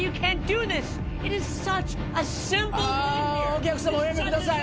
お客様おやめください